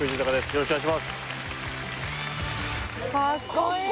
よろしくお願いします